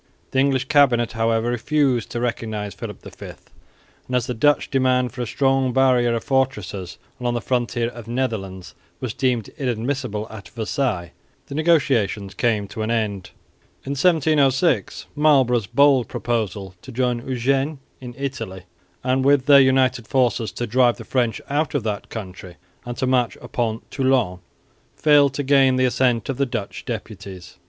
The English cabinet, however, refused to recognise Philip V; and, as the Dutch demand for a strong barrier of fortresses along the southern frontier of the Netherlands was deemed inadmissible at Versailles, the negotiations came to an end. In 1706 Marlborough's bold proposal to join Eugene in Italy, and with their united forces to drive the French out of that country and to march upon Toulon, failed to gain the assent of the Dutch deputies.